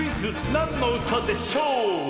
「なんのうたでしょう」！